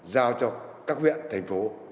giao cho các huyện thành phố